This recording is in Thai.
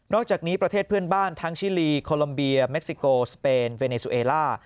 อกจากนี้ประเทศเพื่อนบ้านทั้งชิลีโคลัมเบียเม็กซิโกสเปนเวเนซูเอล่า